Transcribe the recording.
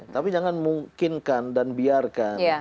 tapi jangan mungkinkan dan biarkan